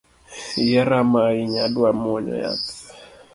Iya rama ahinya adwa mwonyo yath